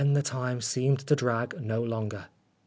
Ah, then the time seemed to drag no longer.